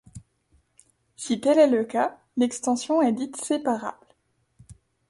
Si tel est le cas, l'extension est dite séparable.